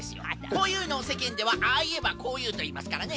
こういうのをせけんでは「ああいえばこういう」といいますからね。